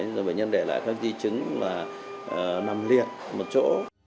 rồi bệnh nhân để lại các di chứng nằm liệt một chỗ